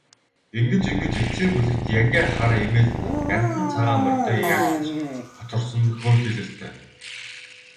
Ингэж ингэж эцсийн бүлэгт янгиа хар эмээл, яндан цагаан морьтой ягдаж хоцорсон нь хөөрхийлөлтэй.